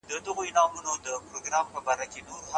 موږ به تر سبا غرمې پورې د غنمو ریبل پای ته ورسوو.